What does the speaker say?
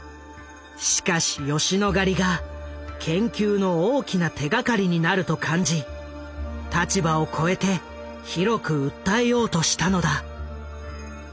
しかし吉野ヶ里が研究の大きな手がかりになると感じ立場を超えて広く訴えようとしたのだ。